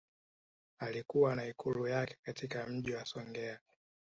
Alikuwa na Ikulu yake katika Mji wa Songea